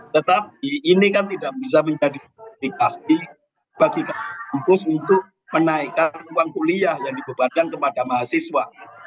tetapi ini kan tidak bisa menjadi pasti bagi kampus untuk menaikkan uang kuliah yang dibebankan kepada mahasiswa